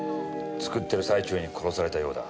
作ってる最中に殺されたようだ。